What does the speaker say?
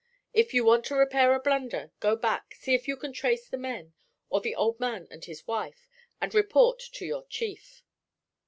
If you want to repair a blunder, go back, see if you can trace the men, or the old man and his wife, and report to your chief.'